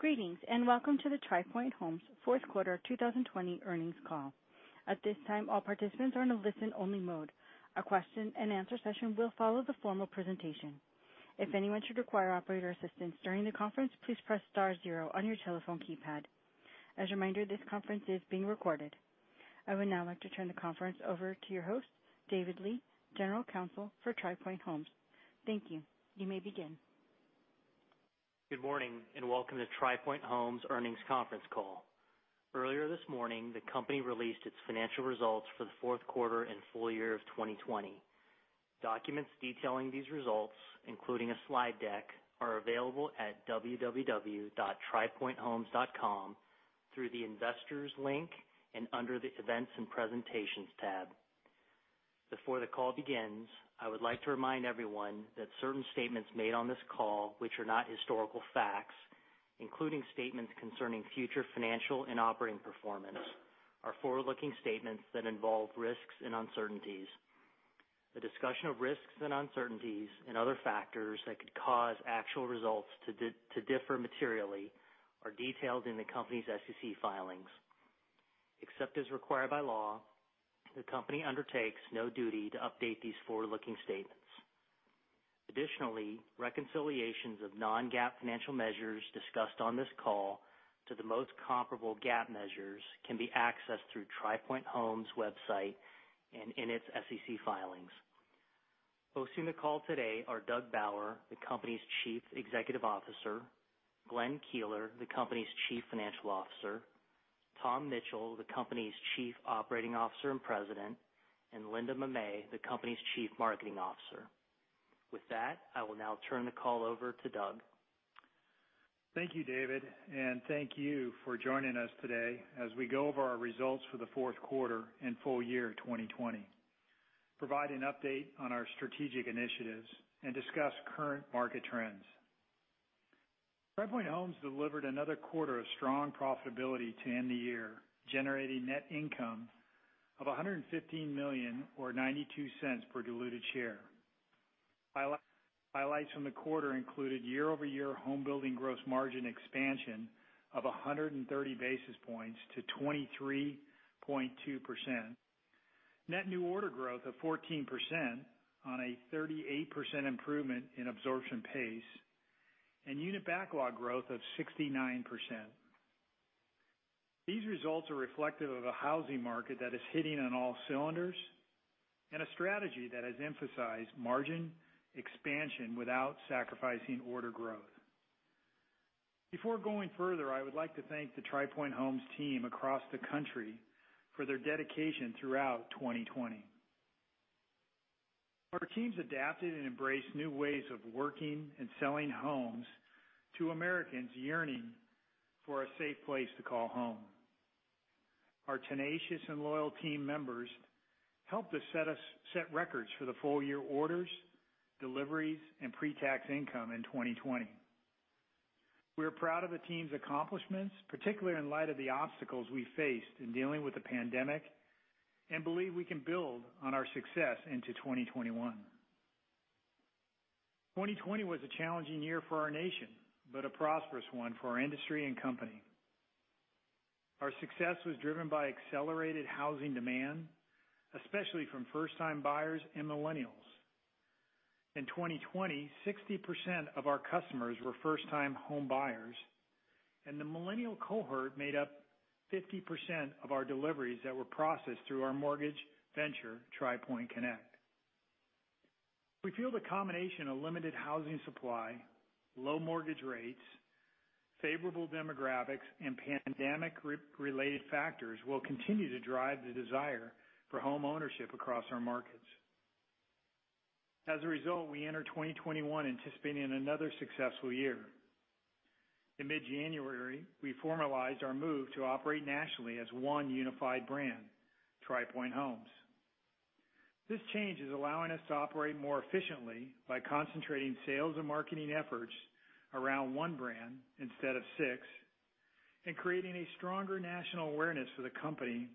Greetings, welcome to the Tri Pointe Homes fourth quarter 2020 earnings call. At this time, all participants are in a listen-only mode. A question-and-answer session will follow the formal presentation. If anyone should require operator assistance during the conference, please press star zero on your your telephone keypad. As a reminder, this conference is being recorded. I would now like to turn the conference over to your host, David Lee, General Counsel for Tri Pointe Homes. Thank you. You may begin. Good morning, and welcome to Tri Pointe Homes earnings conference call. Earlier this morning, the company released its financial results for the fourth quarter and full year of 2020. Documents detailing these results, including a slide deck, are available at www.tripointehomes.com through the investors link and under the events and presentations tab. Before the call begins, I would like to remind everyone that certain statements made on this call, which are not historical facts, including statements concerning future financial and operating performance, are forward-looking statements that involve risks and uncertainties. A discussion of risks and uncertainties and other factors that could cause actual results to differ materially are detailed in the company's SEC filings. Except as required by law, the company undertakes no duty to update these forward-looking statements. Additionally, reconciliations of non-GAAP financial measures discussed on this call to the most comparable GAAP measures can be accessed through Tri Pointe Homes' website and in its SEC filings. Hosting the call today are Doug Bauer, the company's Chief Executive Officer, Glenn Keeler, the company's Chief Financial Officer, Tom Mitchell, the company's Chief Operating Officer and President, and Linda Mamet, the company's Chief Marketing Officer. With that, I will now turn the call over to Doug. Thank you, David, and thank you for joining us today as we go over our results for the fourth quarter and full year 2020, provide an update on our strategic initiatives, and discuss current market trends. Tri Pointe Homes delivered another quarter of strong profitability to end the year, generating net income of $115 million or $0.92 per diluted share. Highlights from the quarter included year-over-year home building gross margin expansion of 130 basis points to 23.2%, net new order growth of 14% on a 38% improvement in absorption pace, and unit backlog growth of 69%. These results are reflective of a housing market that is hitting on all cylinders and a strategy that has emphasized margin expansion without sacrificing order growth. Before going further, I would like to thank the Tri Pointe Homes team across the country for their dedication throughout 2020. Our teams adapted and embraced new ways of working and selling homes to Americans yearning for a safe place to call home. Our tenacious and loyal team members helped us set records for the full-year orders, deliveries, and pre-tax income in 2020. We are proud of the team's accomplishments, particularly in light of the obstacles we faced in dealing with the pandemic, and believe we can build on our success into 2021. 2020 was a challenging year for our nation, but a prosperous one for our industry and company. Our success was driven by accelerated housing demand, especially from first-time buyers and millennials. In 2020, 60% of our customers were first-time home buyers, and the millennial cohort made up 50% of our deliveries that were processed through our mortgage venture, Tri Pointe Connect. We feel the combination of limited housing supply, low mortgage rates, favorable demographics, and pandemic-related factors will continue to drive the desire for home ownership across our markets. As a result, we enter 2021 anticipating another successful year. In mid-January, we formalized our move to operate nationally as one unified brand, Tri Pointe Homes. This change is allowing us to operate more efficiently by concentrating sales and marketing efforts around one brand instead of six and creating a stronger national awareness for the company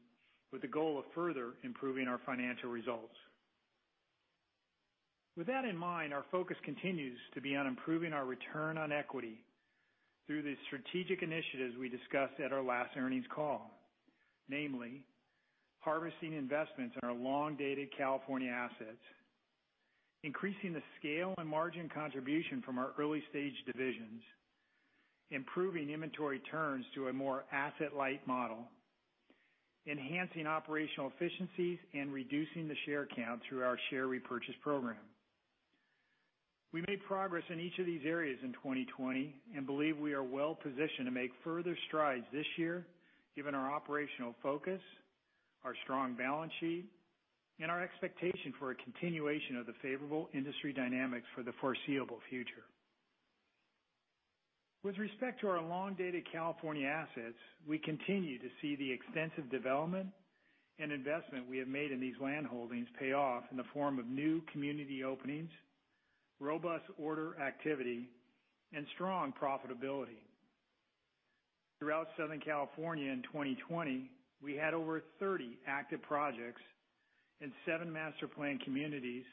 with the goal of further improving our financial results. With that in mind, our focus continues to be on improving our return on equity through the strategic initiatives we discussed at our last earnings call. Namely, harvesting investments in our long-dated California assets, increasing the scale and margin contribution from our early-stage divisions, improving inventory turns to a more asset-light model, enhancing operational efficiencies, and reducing the share count through our share repurchase program. We made progress in each of these areas in 2020 and believe we are well-positioned to make further strides this year given our operational focus, our strong balance sheet, and our expectation for a continuation of the favorable industry dynamics for the foreseeable future. With respect to our long-dated California assets, we continue to see the extensive development and investment we have made in these land holdings pay off in the form of new community openings, robust order activity, and strong profitability. Throughout Southern California in 2020, we had over 30 active projects and seven master-planned communities,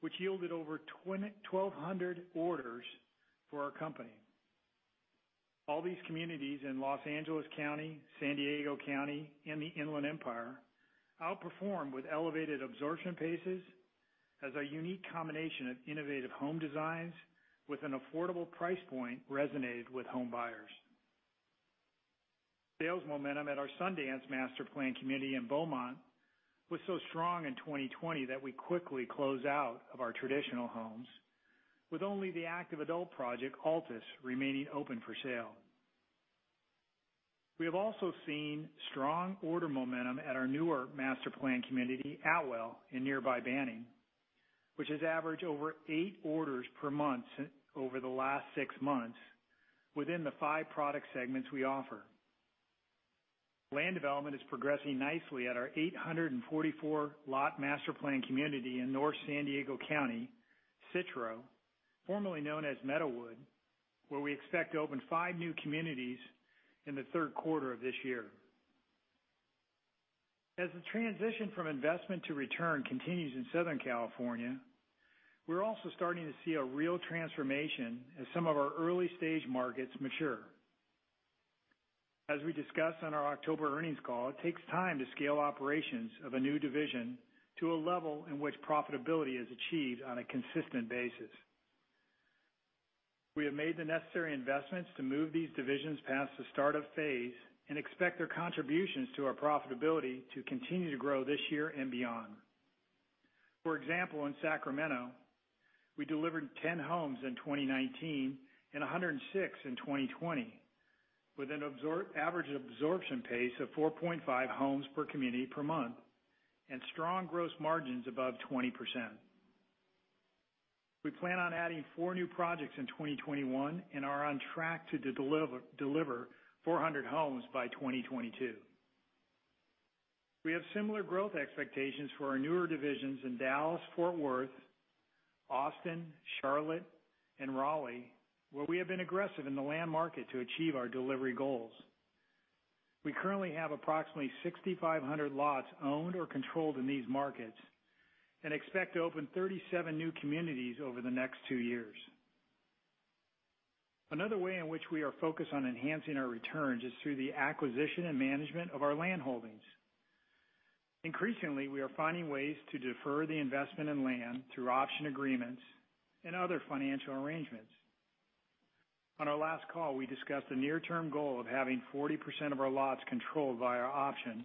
which yielded over 1,200 orders for our company. All these communities in Los Angeles County, San Diego County, and the Inland Empire outperformed with elevated absorption paces as our unique combination of innovative home designs with an affordable price point resonated with home buyers. Sales momentum at our Sundance master-planned community in Beaumont was so strong in 2020 that we quickly closed out of our traditional homes, with only the active adult project, Altis, remaining open for sale. We have also seen strong order momentum at our newer master-planned community, Atwell, in nearby Banning, which has averaged over eight orders per month over the last six months within the five product segments we offer. Land development is progressing nicely at our 844-lot master-planned community in North San Diego County, Citro, formerly known as Meadowood, where we expect to open five new communities in the third quarter of this year. As the transition from investment to return continues in Southern California, we're also starting to see a real transformation as some of our early-stage markets mature. As we discussed on our October earnings call, it takes time to scale operations of a new division to a level in which profitability is achieved on a consistent basis. We have made the necessary investments to move these divisions past the startup phase and expect their contributions to our profitability to continue to grow this year and beyond. For example, in Sacramento, we delivered 10 homes in 2019 and 106 in 2020, with an average absorption pace of 4.5 homes per community per month and strong gross margins above 20%. We plan on adding four new projects in 2021 and are on track to deliver 400 homes by 2022. We have similar growth expectations for our newer divisions in Dallas-Fort Worth, Austin, Charlotte, and Raleigh, where we have been aggressive in the land market to achieve our delivery goals. We currently have approximately 6,500 lots owned or controlled in these markets and expect to open 37 new communities over the next two years. Another way in which we are focused on enhancing our returns is through the acquisition and management of our land holdings. Increasingly, we are finding ways to defer the investment in land through option agreements and other financial arrangements. On our last call, we discussed the near-term goal of having 40% of our lots controlled via option,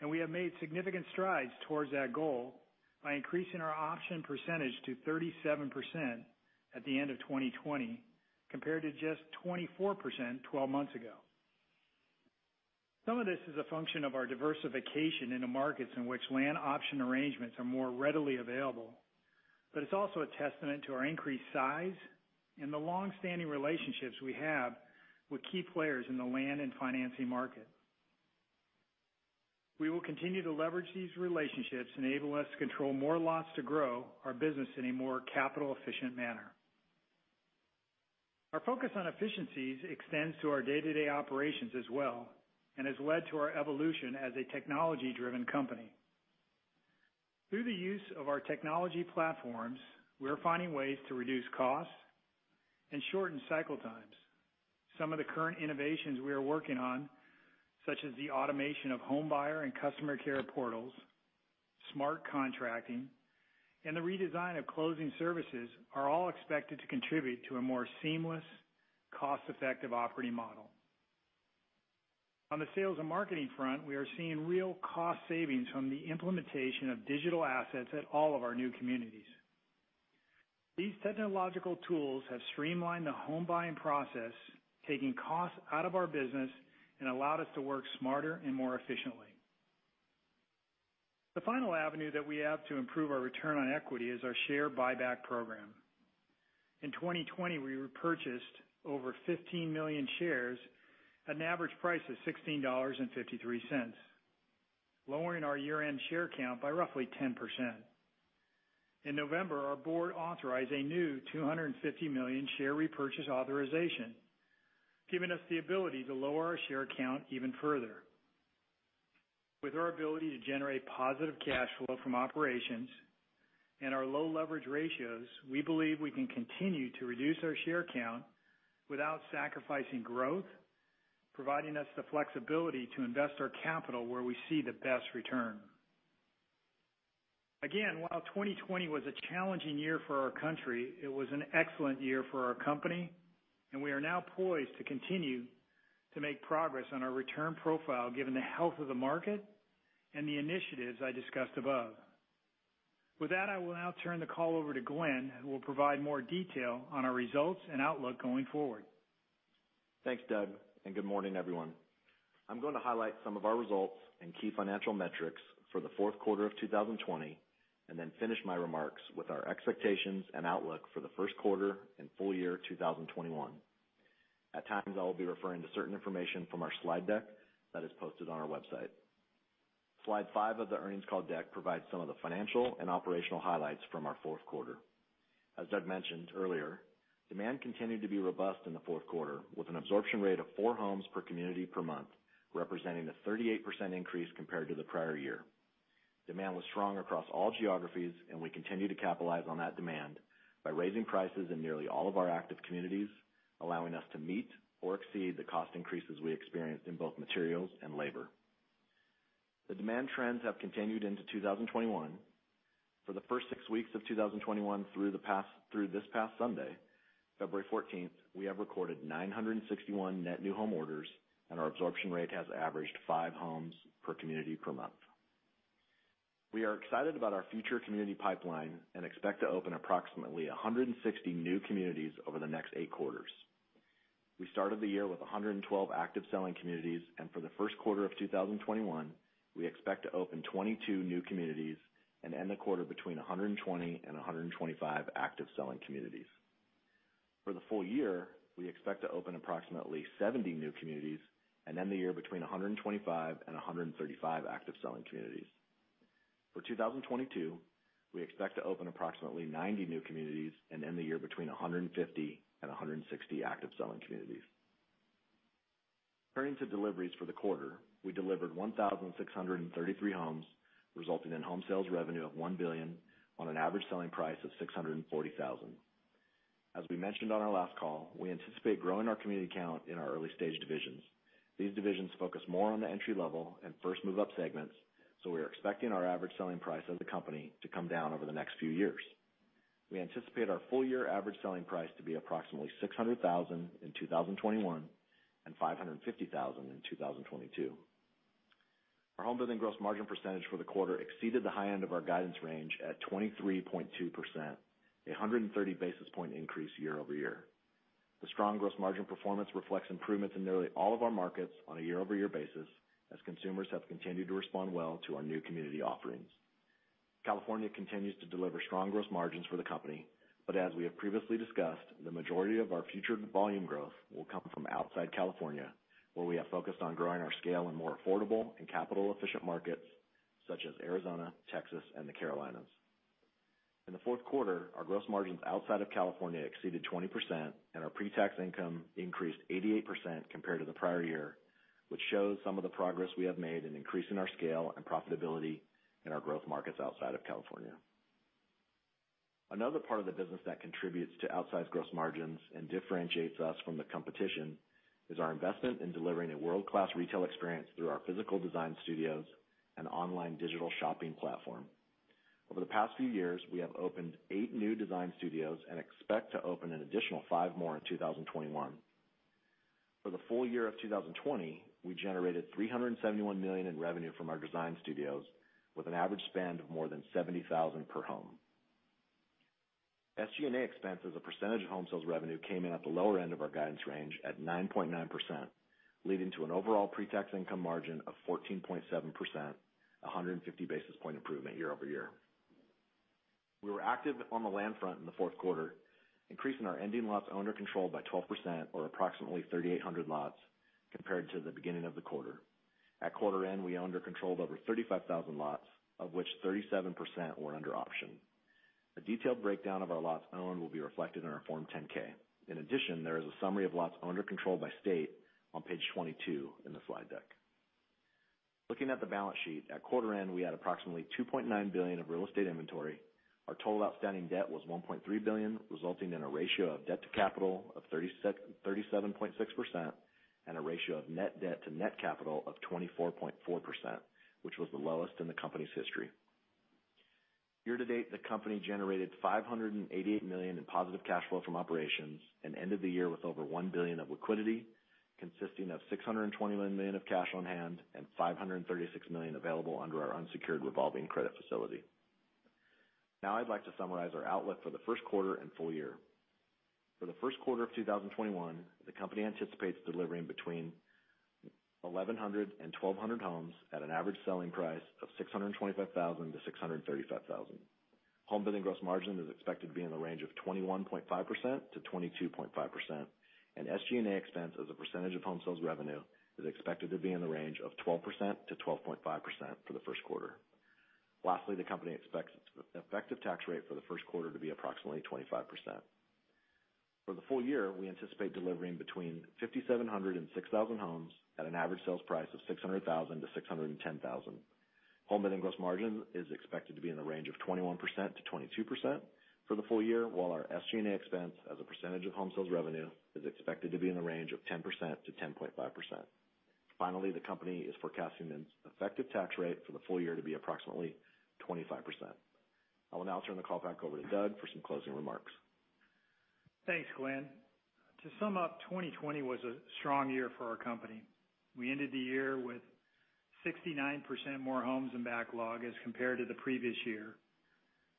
and we have made significant strides towards that goal by increasing our option percentage to 37% at the end of 2020, compared to just 24% 12 months ago. Some of this is a function of our diversification into markets in which land option arrangements are more readily available, but it's also a testament to our increased size and the longstanding relationships we have with key players in the land and financing market. We will continue to leverage these relationships to enable us to control more lots to grow our business in a more capital-efficient manner. Our focus on efficiencies extends to our day-to-day operations as well and has led to our evolution as a technology-driven company. Through the use of our technology platforms, we are finding ways to reduce costs and shorten cycle times. Some of the current innovations we are working on, such as the automation of home buyer and customer care portals, smart contracting, and the redesign of closing services, are all expected to contribute to a more seamless, cost-effective operating model. On the sales and marketing front, we are seeing real cost savings from the implementation of digital assets at all of our new communities. These technological tools have streamlined the home buying process, taking costs out of our business, and allowed us to work smarter and more efficiently. The final avenue that we have to improve our return on equity is our share buyback program. In 2020, we repurchased over 15 million shares at an average price of $16.53, lowering our year-end share count by roughly 10%. In November, our board authorized a new $250 million share repurchase authorization, giving us the ability to lower our share count even further. With our ability to generate positive cash flow from operations and our low leverage ratios, we believe we can continue to reduce our share count without sacrificing growth, providing us the flexibility to invest our capital where we see the best return. Again, while 2020 was a challenging year for our country, it was an excellent year for our company, and we are now poised to continue to make progress on our return profile given the health of the market and the initiatives I discussed above. With that, I will now turn the call over to Glenn, who will provide more detail on our results and outlook going forward. Thanks, Doug, and good morning, everyone. I'm going to highlight some of our results and key financial metrics for the fourth quarter of 2020, and then finish my remarks with our expectations and outlook for the first quarter and full year 2021. At times, I will be referring to certain information from our slide deck that is posted on our website. Slide five of the earnings call deck provides some of the financial and operational highlights from our fourth quarter. As Doug mentioned earlier, demand continued to be robust in the fourth quarter, with an absorption rate of four homes per community per month, representing a 38% increase compared to the prior year. Demand was strong across all geographies. We continue to capitalize on that demand by raising prices in nearly all of our active communities, allowing us to meet or exceed the cost increases we experienced in both materials and labor. The demand trends have continued into 2021. For the first six weeks of 2021 through this past Sunday, February 14th, we have recorded 961 net new home orders. Our absorption rate has averaged five homes per community per month. We are excited about our future community pipeline. We expect to open approximately 160 new communities over the next eight quarters. We started the year with 112 active selling communities. For the first quarter of 2021, we expect to open 22 new communities and end the quarter between 120 and 125 active selling communities. For the full-year, we expect to open approximately 70 new communities and end the year between 125-135 active selling communities. For 2022, we expect to open approximately 90 new communities and end the year between 150-160 active selling communities. Turning to deliveries for the quarter, we delivered 1,633 homes, resulting in home sales revenue of $1 billion on an average selling price of $640,000. As we mentioned on our last call, we anticipate growing our community count in our early-stage divisions. These divisions focus more on the entry-level and first move-up segments, we are expecting our average selling price of the company to come down over the next few years. We anticipate our full-year average selling price to be approximately $600,000 in 2021 and $550,000 in 2022. Our homebuilding gross margin percentage for the quarter exceeded the high end of our guidance range at 23.2%, a 130 basis point increase year-over-year. The strong gross margin performance reflects improvements in nearly all of our markets on a year-over-year basis, as consumers have continued to respond well to our new community offerings. California continues to deliver strong gross margins for the company, but as we have previously discussed, the majority of our future volume growth will come from outside California, where we have focused on growing our scale in more affordable and capital-efficient markets such as Arizona, Texas, and the Carolinas. In the fourth quarter, our gross margins outside of California exceeded 20%, and our pre-tax income increased 88% compared to the prior year, which shows some of the progress we have made in increasing our scale and profitability in our growth markets outside of California. Another part of the business that contributes to outsized gross margins and differentiates us from the competition is our investment in delivering a world-class retail experience through our physical design studios and online digital shopping platform. Over the past few years, we have opened eight new design studios and expect to open an additional five more in 2021. For the full-year of 2020, we generated $371 million in revenue from our design studios, with an average spend of more than $70,000 per home. SG&A expense as a percentage of home sales revenue came in at the lower end of our guidance range at 9.9%, leading to an overall pre-tax income margin of 14.7%, a 150 basis point improvement year-over-year. We were active on the land front in the fourth quarter, increasing our ending lots under control by 12%, or approximately 3,800 lots compared to the beginning of the quarter. At quarter end, we under control of over 35,000 lots, of which 37% were under option. A detailed breakdown of our lots owned will be reflected in our Form 10-K. In addition, there is a summary of lots under control by state on Page 22 in the slide deck. Looking at the balance sheet, at quarter end, we had approximately $2.9 billion of real estate inventory. Our total outstanding debt was $1.3 billion, resulting in a ratio of debt to capital of 37.6%, and a ratio of net debt to net capital of 24.4%, which was the lowest in the company's history. Year to date, the company generated $588 million in positive cash flow from operations and ended the year with over $1 billion of liquidity, consisting of $621 million of cash on hand and $536 million available under our unsecured revolving credit facility. I'd like to summarize our outlook for the first quarter and full-year. For the first quarter of 2021, the company anticipates delivering between 1,100 and 1,200 homes at an average selling price of $625,000-$635,000. Homebuilding gross margin is expected to be in the range of 21.5%-22.5%, and SG&A expense as a percentage of home sales revenue is expected to be in the range of 12%-12.5% for the first quarter. Lastly, the company expects its effective tax rate for the first quarter to be approximately 25%. For the full-year, we anticipate delivering between 5,700 and 6,000 homes at an average sales price of $600,000-$610,000. Homebuilding gross margin is expected to be in the range of 21%-22% for the full-year, while our SG&A expense as a percentage of home sales revenue is expected to be in the range of 10%-10.5%. Finally, the company is forecasting an effective tax rate for the full-year to be approximately 25%. I will now turn the call back over to Doug for some closing remarks. Thanks, Glenn. To sum up, 2020 was a strong year for our company. We ended the year with 69% more homes in backlog as compared to the previous year,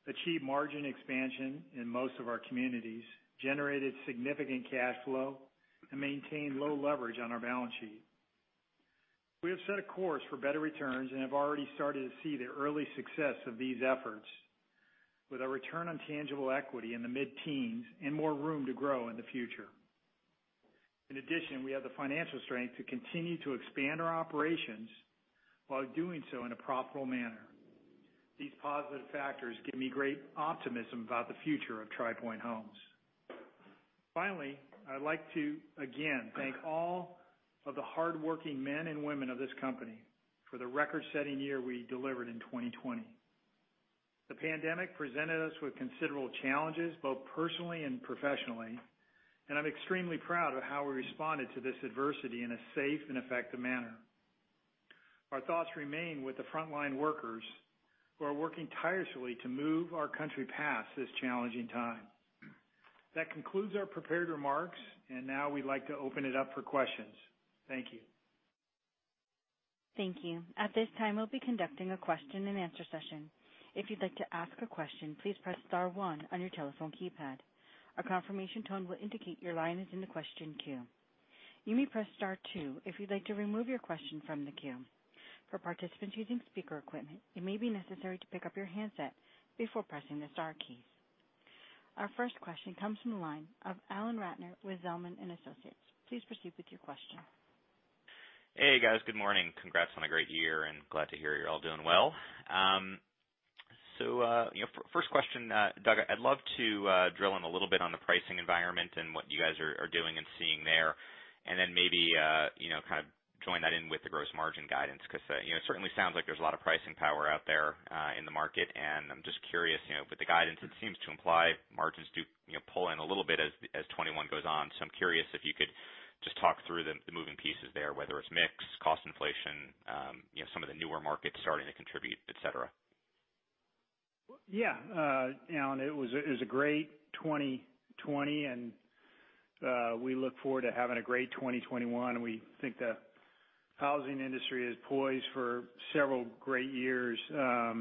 achieved margin expansion in most of our communities, generated significant cash flow, and maintained low leverage on our balance sheet. We have set a course for better returns and have already started to see the early success of these efforts with our return on tangible equity in the mid-teens and more room to grow in the future. In addition, we have the financial strength to continue to expand our operations while doing so in a profitable manner. These positive factors give me great optimism about the future of Tri Pointe Homes. Finally, I'd like to again thank all of the hardworking men and women of this company for the record-setting year we delivered in 2020. The pandemic presented us with considerable challenges, both personally and professionally, and I'm extremely proud of how we responded to this adversity in a safe and effective manner. Our thoughts remain with the frontline workers who are working tirelessly to move our country past this challenging time. That concludes our prepared remarks, and now we'd like to open it up for questions. Thank you. Thank you. At this time, we'll be conducting a question-and-answer session. If you'd like to ask a question, please press star one on your telephone keypad. A confirmation tone will indicate your line is in the question queue. You may press star two if you'd like to remove your question from the queue. For participants using speaker equipment, it may be necessary to pick up your handset before pressing the star keys. Our first question comes from the line of Alan Ratner with Zelman & Associates. Please proceed with your question. Hey, guys. Good morning. Congrats on a great year, and glad to hear you're all doing well. First question, Doug, I'd love to drill in a little bit on the pricing environment and what you guys are doing and seeing there, and then maybe join that in with the gross margin guidance, because it certainly sounds like there's a lot of pricing power out there, in the market. I'm just curious, with the guidance, it seems to imply margins do pull in a little bit as 2021 goes on. I'm curious if you could just talk through the moving pieces there, whether it's mix, cost inflation, some of the newer markets starting to contribute, et cetera. Yeah. Alan, it was a great 2020. We look forward to having a great 2021. We think the housing industry is poised for several great years. To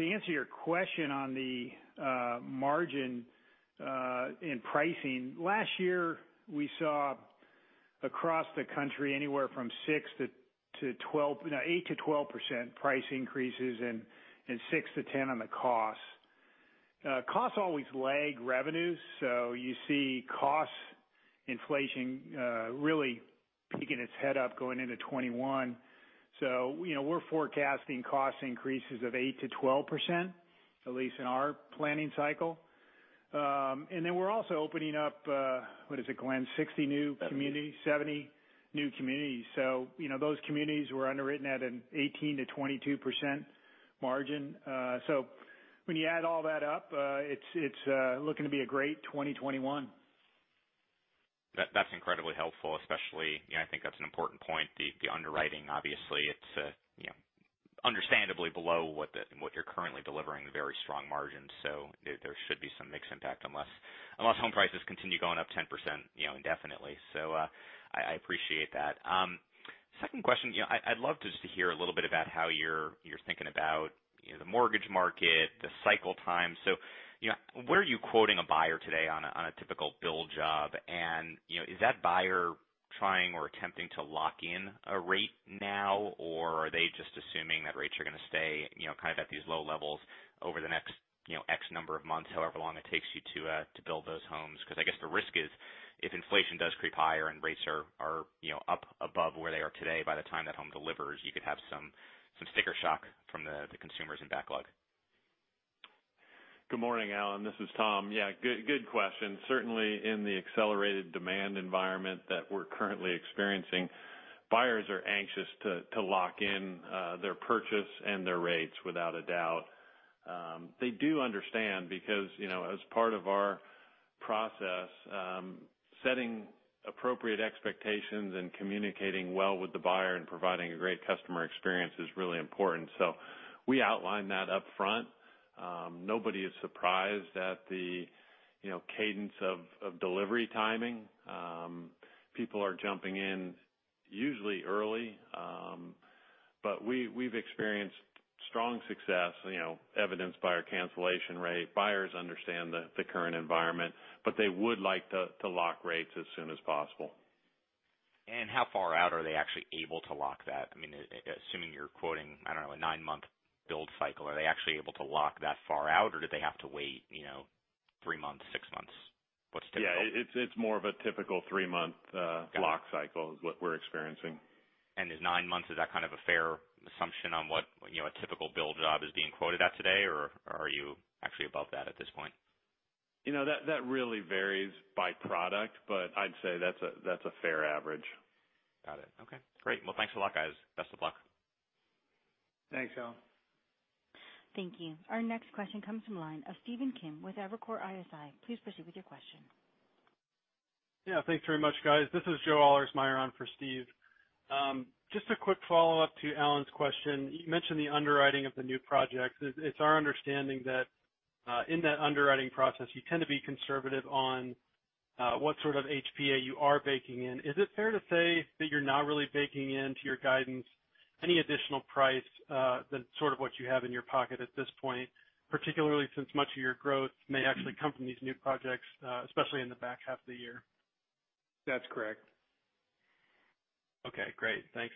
answer your question on the margin in pricing, last year we saw across the country anywhere from 8%-12% price increases and 6%-10% on the cost. Costs always lag revenues. You see cost inflation really sticking its head up going into 2021. We're forecasting cost increases of 8%-12%, at least in our planning cycle. We're also opening up, what is it, Glenn? 60 new communities? 70. 70 new communities. Those communities were underwritten at an 18%-22% margin. When you add all that up, it's looking to be a great 2021. That's incredibly helpful, especially, I think that's an important point. The underwriting, obviously it's understandably below what you're currently delivering, the very strong margins. There should be some mix impact unless home prices continue going up 10% indefinitely. I appreciate that. Second question. I'd love just to hear a little about how you're thinking about the mortgage market, the cycle time. Where are you quoting a buyer today on a typical build job, and is that buyer trying or attempting to lock in a rate now, or are they just assuming that rates are going to stay at these low levels over the next X number of months, however long it takes you to build those homes? Because I guess the risk is if inflation does creep higher and rates are up above where they are today by the time that home delivers, you could have some sticker shock from the consumers in backlog. Good morning, Alan. This is Tom. Yeah, good question. Certainly, in the accelerated demand environment that we're currently experiencing, buyers are anxious to lock in their purchase and their rates, without a doubt. They do understand because, as part of our process, setting appropriate expectations and communicating well with the buyer and providing a great customer experience is really important. We outline that upfront. Nobody is surprised at the cadence of delivery timing. People are jumping in, usually early. We've experienced strong success evidenced by our cancellation rate. Buyers understand the current environment, but they would like to lock rates as soon as possible. How far out are they actually able to lock that? Assuming you're quoting, I don't know, a nine-month build cycle. Are they actually able to lock that far out, or do they have to wait three months, six months? What's typical? Yeah. It's more of a typical three-month- Got it. lock cycle is what we're experiencing. Is nine months, is that kind of a fair assumption on what a typical build job is being quoted at today, or are you actually above that at this point? That really varies by product, but I'd say that's a fair average. Got it. Okay, great. Well, thanks a lot, guys. Best of luck. Thanks, Alan. Thank you. Our next question comes from the line of Stephen Kim with Evercore ISI. Please proceed with your question. Thanks very much, guys. This is Joe Allers on for Steve. Just a quick follow-up to Alan's question. You mentioned the underwriting of the new projects. It's our understanding that in that underwriting process, you tend to be conservative on what sort of HPA you are baking in. Is it fair to say that you're not really baking into your guidance any additional price than sort of what you have in your pocket at this point, particularly since much of your growth may actually come from these new projects, especially in the back half of the year? That's correct. Okay, great. Thanks.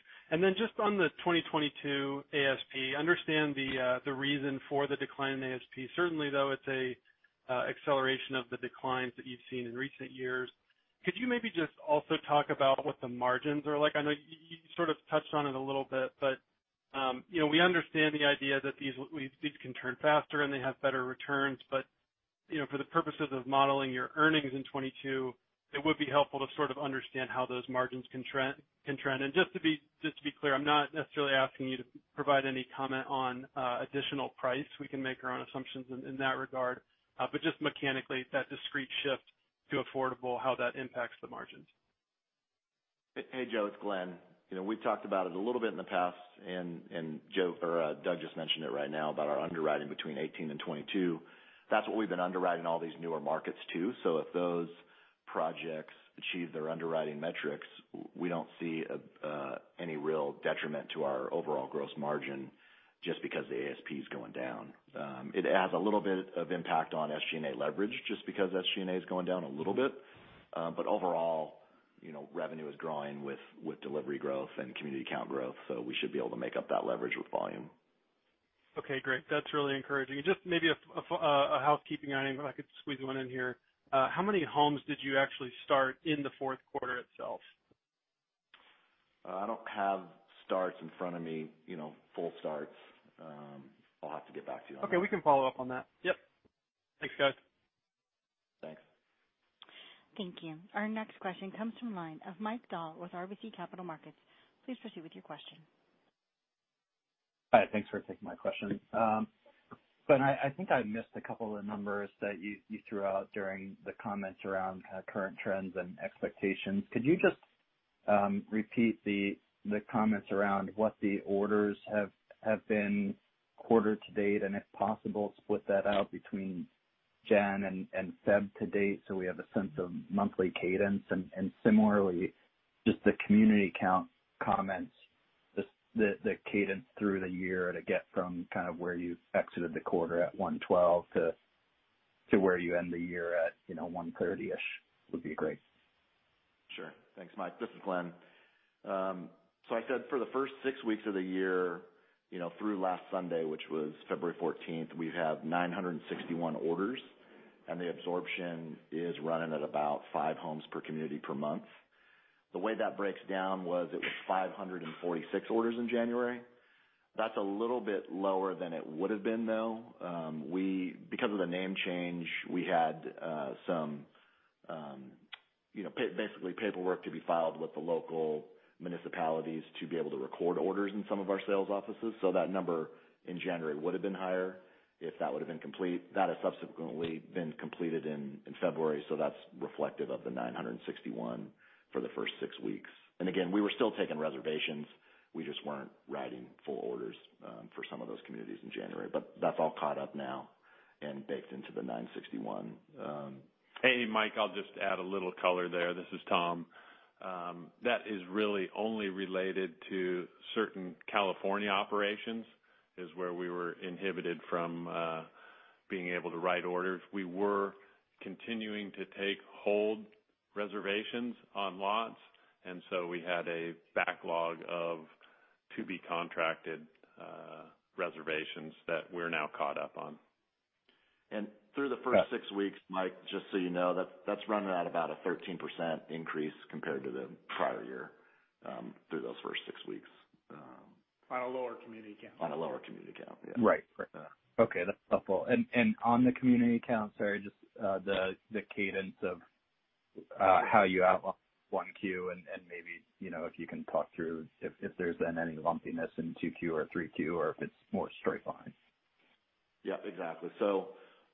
Just on the 2022 ASP, understand the reason for the decline in ASP. Certainly, though, it's an acceleration of the declines that you've seen in recent years. Could you maybe just also talk about what the margins are like? I know you sort of touched on it a little bit, we understand the idea that these can turn faster, and they have better returns. For the purposes of modeling your earnings in 2022, it would be helpful to sort of understand how those margins can trend. Just to be clear, I'm not necessarily asking you to provide any comment on additional price. We can make our own assumptions in that regard. Just mechanically, that discrete shift to affordable, how that impacts the margins. Hey, Joe, it's Glenn. We've talked about it a little bit in the past, and Doug just mentioned it right now about our underwriting between 18% and 22%. That's what we've been underwriting all these newer markets to. If those projects achieve their underwriting metrics, we don't see any real detriment to our overall gross margin just because the ASP is going down. It adds a little bit of impact on SG&A leverage, just because SG&A is going down a little bit. Overall, revenue is growing with delivery growth and community count growth, so we should be able to make up that leverage with volume. Okay, great. That's really encouraging. Just maybe a housekeeping item, if I could squeeze one in here. How many homes did you actually start in the fourth quarter itself? I don't have starts in front of me, full starts. I'll have to get back to you on that. Okay, we can follow up on that. Yep. Thanks, guys. Thanks. Thank you. Our next question comes from the line of Mike Dahl with RBC Capital Markets. Please proceed with your question. Hi, thanks for taking my question. Glenn, I think I missed a couple of the numbers that you threw out during the comments around kind of current trends and expectations. Could you just repeat the comments around what the orders have been quarter-to-date, and if possible, split that out between Jan and Feb to date, so we have a sense of monthly cadence? Similarly, just the community count comments, just the cadence through the year to get from kind of where you exited the quarter at 112 to where you end the year at 130-ish would be great. Sure. Thanks, Mike. This is Glenn. I said for the first six weeks of the year, through last Sunday, which was February 14th, we've had 961 orders, and the absorption is running at about five homes per community per month. The way that breaks down was it was 546 orders in January. That's a little bit lower than it would have been, though. Because of the name change, we had some basically paperwork to be filed with the local municipalities to be able to record orders in some of our sales offices. That number in January would have been higher if that would have been complete. That has subsequently been completed in February, so that's reflective of the 961 for the first six weeks. Again, we were still taking reservations. We just weren't writing full orders for some of those communities in January. That's all caught up now and baked into the $961. Hey, Mike, I'll just add a little color there. This is Tom. That is really only related to certain California operations, is where we were inhibited from being able to write orders. We were continuing to take hold reservations on lots, and so we had a backlog of to-be-contracted reservations that we're now caught up on. Through the first six weeks, Mike, just so you know, that's running at about a 13% increase compared to the prior year, through those first six weeks. On a lower community count. On a lower community count, yeah. Right. Okay, that's helpful. On the community count, sorry, just the cadence of how you have 1Q and maybe if you can talk through if there's been any lumpiness in 2Q or 3Q or if it's more straight line. Yep, exactly.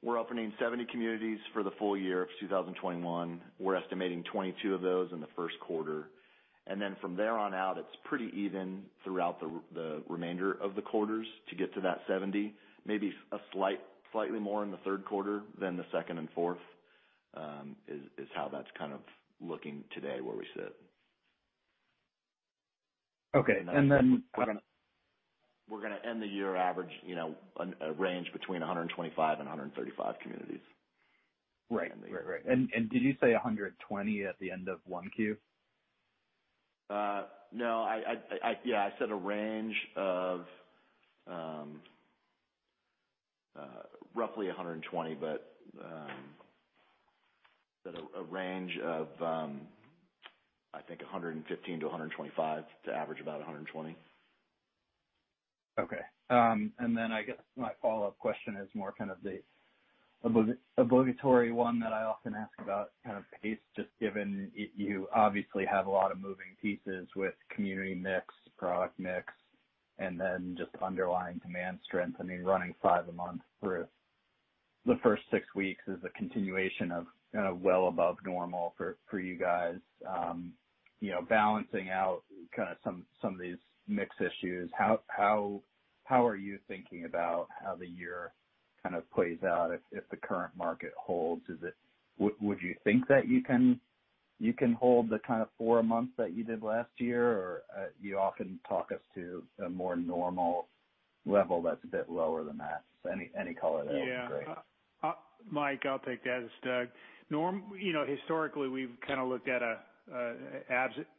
We're opening 70 communities for the full-year of 2021. We're estimating 22 of those in the first quarter. From there on out, it's pretty even throughout the remainder of the quarters to get to that 70. Maybe slightly more in the third quarter than the second and fourth, is how that's kind of looking today where we sit. Okay. We're going to end the year average, a range between 125 and 135 communities. Right. Did you say 120 at the end of 1Q? No, I said a range of roughly 120. A range of, I think, 115-125 to average about 120. Okay. Then I guess my follow-up question is more kind of the obligatory one that I often ask about kind of pace, just given you obviously have a lot of moving pieces with community mix, product mix, and then just underlying demand strength. I mean, running five a month through the first six weeks is a continuation of well above normal for you guys. Balancing out kind of some of these mix issues, how are you thinking about how the year kind of plays out if the current market holds? Would you think that you can hold the kind of four a month that you did last year, or you often talk us to a more normal level that's a bit lower than that. Any color there would be great. Yeah. Mike, I'll take that. It's Doug. Historically, we've kind of looked at an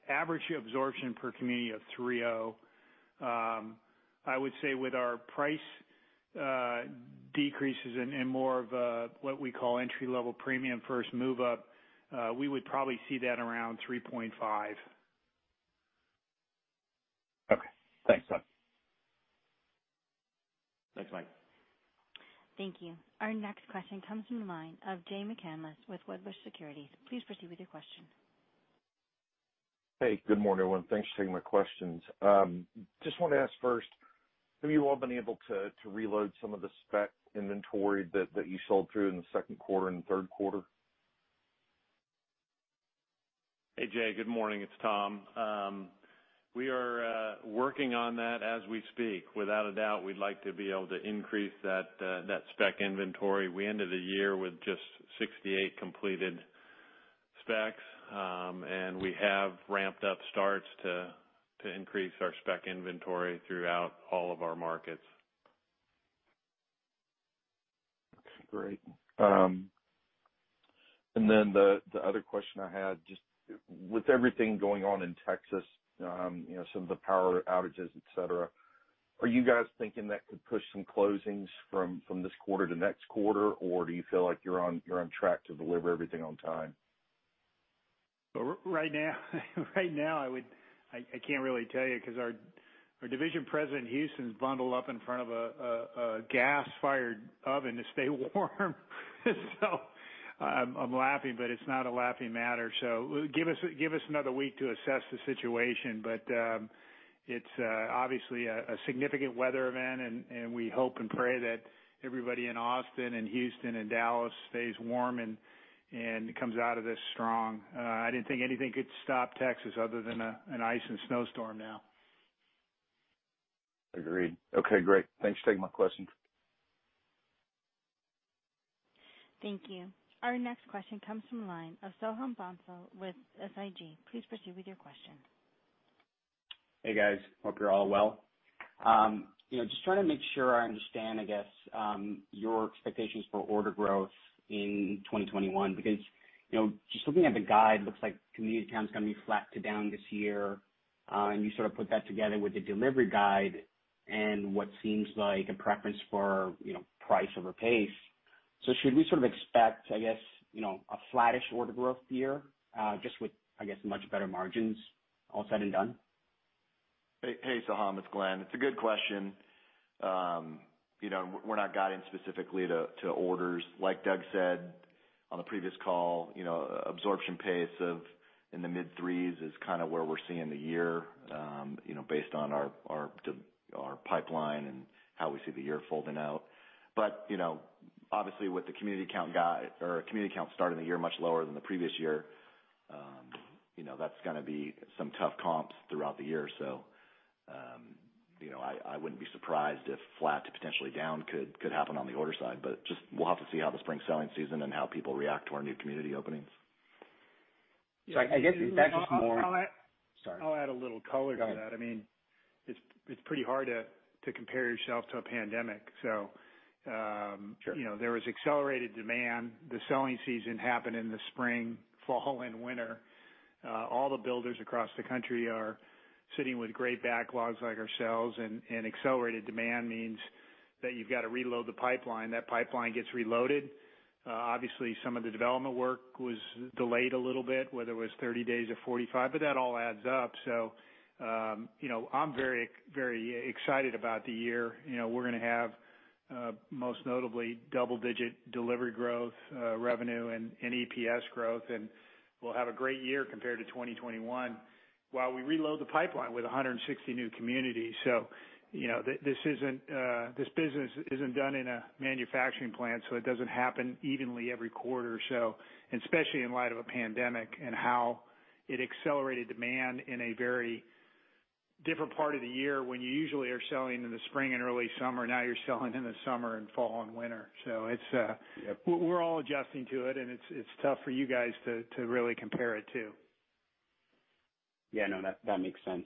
average absorption per community of 3.0. I would say with our price decreases and more of what we call entry-level premium first move up, we would probably see that around 3.5. Okay. Thanks, Doug. Thanks, Mike. Thank you. Our next question comes from the line of Jay McCanless with Wedbush Securities. Please proceed with your question. Hey, good morning, everyone. Thanks for taking my questions. Just wanted to ask first, have you all been able to reload some of the spec inventory that you sold through in the second quarter and third quarter? Hey, Jay, good morning. It's Tom. We are working on that as we speak. Without a doubt, we'd like to be able to increase that spec inventory. We ended the year with just 68 completed specs. We have ramped up starts to increase our spec inventory throughout all of our markets. Okay, great. The other question I had, just with everything going on in Texas, some of the power outages, et cetera, are you guys thinking that could push some closings from this quarter to next quarter, or do you feel like you're on track to deliver everything on time? Right now, I can't really tell you because our division president in Houston's bundled up in front of a gas-fired oven to stay warm. I'm laughing, but it's not a laughing matter. Give us another week to assess the situation. It's obviously a significant weather event, and we hope and pray that everybody in Austin and Houston and Dallas stays warm and comes out of this strong. I didn't think anything could stop Texas other than an ice and snow storm now. Agreed. Okay, great. Thanks for taking my questions. Thank you. Our next question comes from the line of Soham Bansal with SIG. Please proceed with your question. Hey, guys. Hope you're all well. Just trying to make sure I understand, I guess, your expectations for order growth in 2021, because just looking at the guide, looks like community count's going to be flat to down this year. You sort of put that together with the delivery guide and what seems like a preference for price over pace. Should we sort of expect, I guess, a flattish order growth year, just with much better margins, all said and done? Hey, Soham, it's Glenn. It's a good question. We're not guiding specifically to orders. Like Doug said on the previous call, absorption pace of in the mid threes is kind of where we're seeing the year based on our pipeline and how we see the year folding out. Obviously, with the community count starting the year much lower than the previous year, that's going to be some tough comps throughout the year. I wouldn't be surprised if flat to potentially down could happen on the order side. Just we'll have to see how the spring selling season and how people react to our new community openings. I guess in fact. I'll add- Sorry. I'll add a little color to that. Got it. It's pretty hard to compare yourself to a pandemic. Sure There was accelerated demand. The selling season happened in the spring, fall, and winter. All the builders across the country are sitting with great backlogs like ourselves, accelerated demand means that you've got to reload the pipeline. That pipeline gets reloaded. Obviously, some of the development work was delayed a little bit, whether it was 30 days or 45, that all adds up. I'm very excited about the year. We're going to have, most notably, double-digit delivery growth, revenue, and EPS growth, we'll have a great year compared to 2021 while we reload the pipeline with 160 new communities. This business isn't done in a manufacturing plant, so it doesn't happen evenly every quarter. Especially in light of a pandemic and how it accelerated demand in a very different part of the year when you usually are selling in the spring and early summer, now you're selling in the summer and fall and winter. Yep. We're all adjusting to it, and it's tough for you guys to really compare it, too. Yeah, no, that makes sense.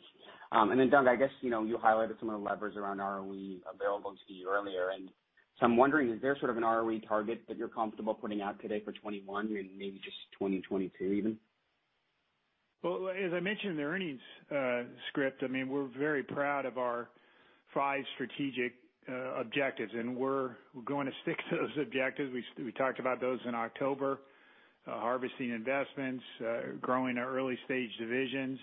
Doug, I guess, you highlighted some of the levers around ROE available to you earlier, I'm wondering, is there sort of an ROE target that you're comfortable putting out today for 2021 and maybe just 2022 even? Well, as I mentioned in the earnings script, we're very proud of our five strategic objectives, and we're going to stick to those objectives. We talked about those in October. Harvesting investments, growing our early-stage divisions,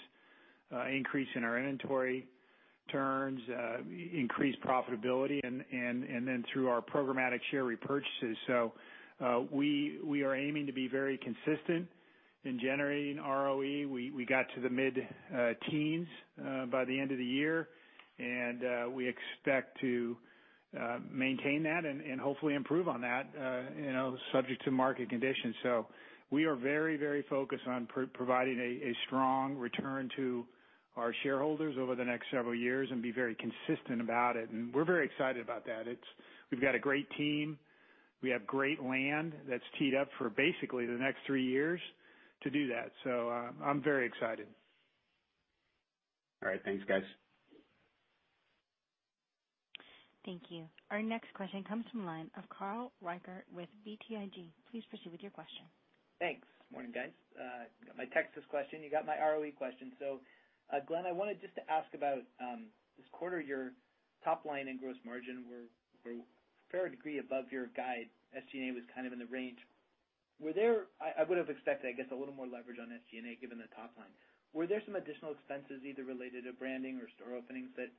increasing our inventory turns, increase profitability, and then through our programmatic share repurchases. We are aiming to be very consistent in generating ROE. We got to the mid-teens by the end of the year, and we expect to maintain that and hopefully improve on that, subject to market conditions. We are very focused on providing a strong return to our shareholders over the next several years and be very consistent about it. We're very excited about that. We've got a great team. We have great land that's teed up for basically the next three years to do that. I'm very excited. All right. Thanks, guys. Thank you. Our next question comes from the line of Carl Reichardt with BTIG. Please proceed with your question. Thanks. Morning, guys. You got my Texas question. You got my ROE question. Glenn, I wanted just to ask about, this quarter, your top line and gross margin were for a degree above your guide. SG&A was kind of in the range. I would have expected, I guess, a little more leverage on SG&A, given the top line. Were there some additional expenses, either related to branding or store openings that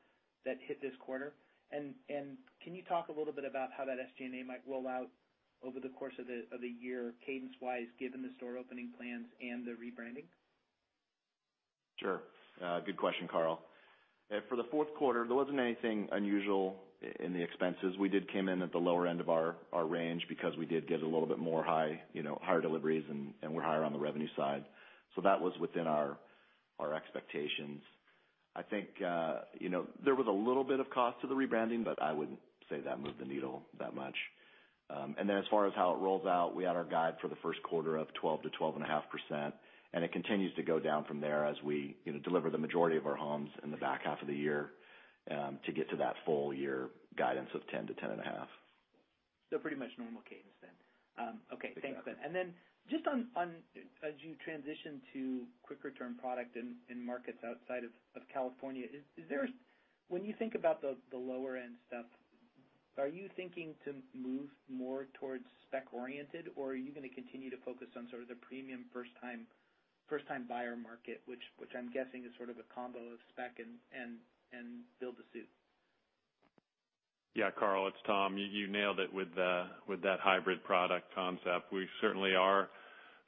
hit this quarter? Can you talk a little bit about how that SG&A might roll out over the course of the year, cadence-wise, given the store opening plans and the rebranding? Sure. Good question, Carl. For the fourth quarter, there wasn't anything unusual in the expenses. We did come in at the lower end of our range because we did get a little bit more higher deliveries, and were higher on the revenue side. That was within our expectations. I think there was a little bit of cost to the rebranding, but I wouldn't say that moved the needle that much. As far as how it rolls out, we had our guide for the first quarter of 12%-12.5%, and it continues to go down from there as we deliver the majority of our homes in the back half of the year to get to that full year guidance of 10%-10.5%. pretty much normal cadence then. Okay. Exactly. Thanks, Glenn. As you transition to quicker turn product in markets outside of California, when you think about the lower-end stuff, are you thinking to move more towards spec-oriented, or are you going to continue to focus on sort of the premium first-time buyer market, which I’m guessing is sort of a combo of spec and build to suit? Yeah, Carl, it's Tom. You nailed it with that hybrid product concept. We certainly are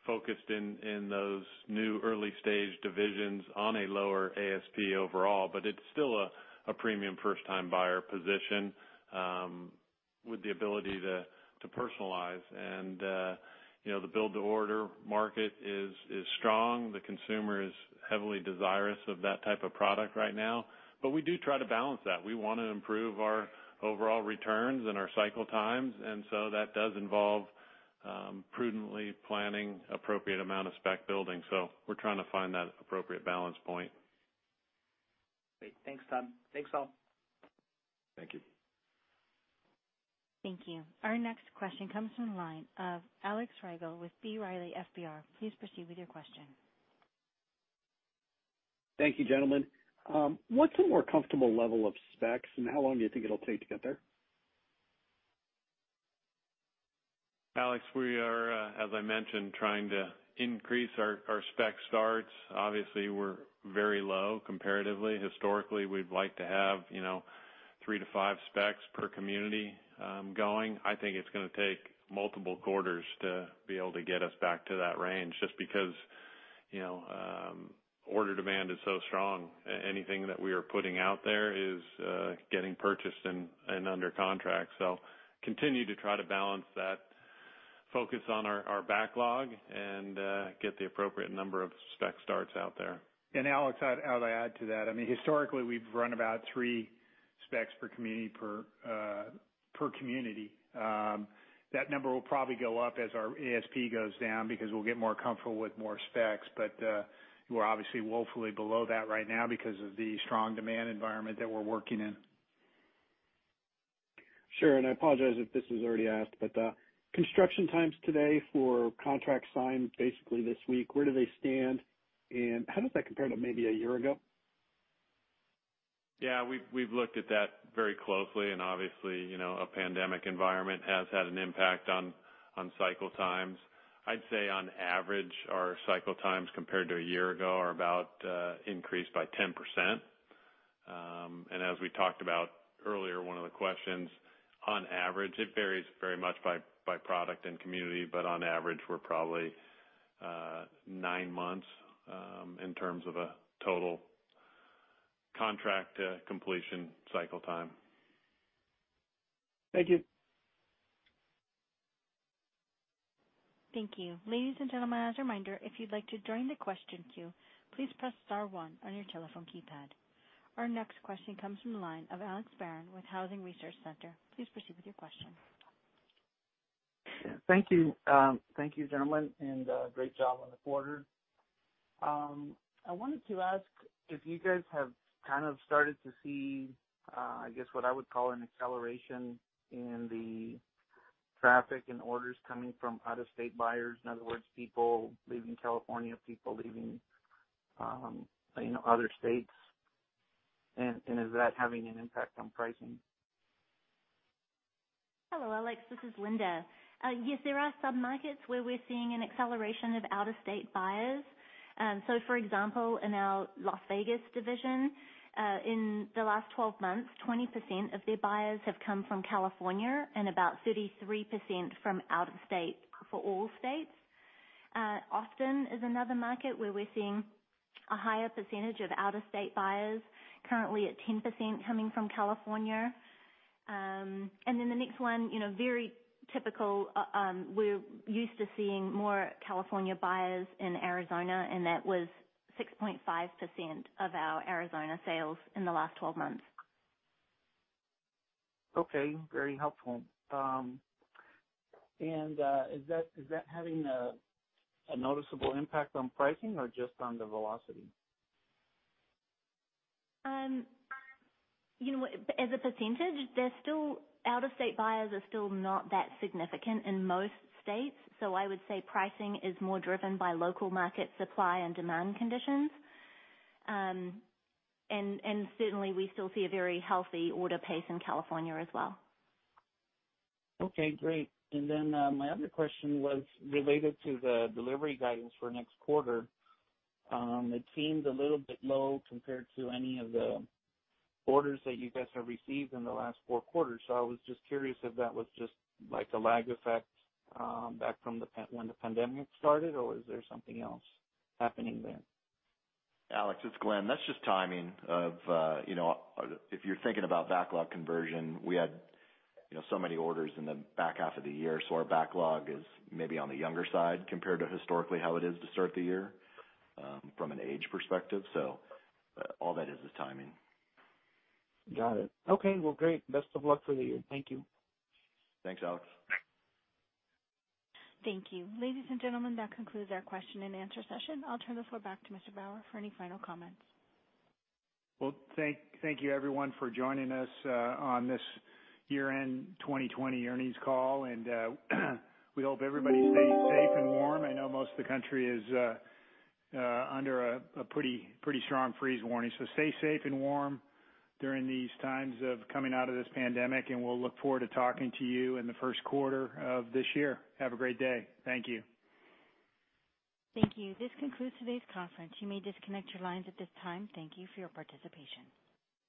focused in those new early-stage divisions on a lower ASP overall, but it's still a premium first-time buyer position with the ability to personalize. The build-to-order market is strong. The consumer is heavily desirous of that type of product right now. We do try to balance that. We want to improve our overall returns and our cycle times, and so that does involve prudently planning appropriate amount of spec building. We're trying to find that appropriate balance point. Great. Thanks, Tom. Thanks, all. Thank you. Thank you. Our next question comes from the line of Alex Rygiel with B. Riley. Please proceed with your question. Thank you, gentlemen. What's a more comfortable level of specs, and how long do you think it'll take to get there? Alex, we are, as I mentioned, trying to increase our spec starts. Obviously, we're very low comparatively. Historically, we'd like to have three to five specs per community going. I think it's going to take multiple quarters to be able to get us back to that range, just because order demand is so strong. Anything that we are putting out there is getting purchased and under contract. Continue to try to balance that focus on our backlog and get the appropriate number of spec starts out there. Alex, I'd add to that. Historically, we've run about three specs per community. That number will probably go up as our ASP goes down because we'll get more comfortable with more specs. We're obviously woefully below that right now because of the strong demand environment that we're working in. Sure. I apologize if this was already asked, but construction times today for contracts signed basically this week, where do they stand, and how does that compare to maybe a year ago? Yeah. We've looked at that very closely, and obviously, a pandemic environment has had an impact on cycle times. I'd say on average, our cycle times compared to a year ago are about increased by 10%. As we talked about earlier, one of the questions, on average, it varies very much by product and community, but on average, we're probably nine months in terms of a total contract completion cycle time. Thank you. Thank you. Ladies and gentlemen, as a reminder, if you'd like to join the question queue, please press star one on your telephone keypad. Our next question comes from the line of Alex Barron with Housing Research Center. Please proceed with your question. Thank you. Thank you, gentlemen. Great job on the quarter. I wanted to ask if you guys have kind of started to see, I guess, what I would call an acceleration in the traffic and orders coming from out-of-state buyers. In other words, people leaving California, people leaving other states, is that having an impact on pricing? Hello, Alex. This is Linda. Yes, there are some markets where we're seeing an acceleration of out-of-state buyers. For example, in our Las Vegas division, in the last 12 months, 20% of their buyers have come from California and about 33% from out of state for all states. Austin is another market where we're seeing a higher percentage of out-of-state buyers, currently at 10% coming from California. The next one, very typical, we're used to seeing more California buyers in Arizona, and that was 6.5% of our Arizona sales in the last 12 months. Okay, very helpful. Is that having a noticeable impact on pricing or just on the velocity? As a percentage, out-of-state buyers are still not that significant in most states. I would say pricing is more driven by local market supply and demand conditions. Certainly, we still see a very healthy order pace in California as well. Okay, great. My other question was related to the delivery guidance for next quarter. It seems a little bit low compared to any of the orders that you guys have received in the last four quarters. I was just curious if that was just a lag effect back from when the pandemic started, or is there something else happening there? Alex, it's Glenn. That's just timing of, if you're thinking about backlog conversion, we had so many orders in the back half of the year, so our backlog is maybe on the younger side compared to historically how it is to start the year from an age perspective. All that is timing. Got it. Okay, well, great. Best of luck for the year. Thank you. Thanks, Alex. Thank you. Ladies and gentlemen, that concludes our question-and-answer session. I'll turn the floor back to Mr. Bauer for any final comments. Thank you everyone for joining us on this year-end 2020 earnings call, and we hope everybody stays safe and warm. I know most of the country is under a pretty strong freeze warning. Stay safe and warm during these times of coming out of this pandemic, and we'll look forward to talking to you in the first quarter of this year. Have a great day. Thank you. Thank you. This concludes today's conference. You may disconnect your lines at this time. Thank you for your participation.